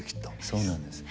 そうなんです。